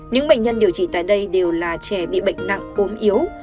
những bệnh nhân điều trị tại đây đều là trẻ bị bệnh nặng cốm yếu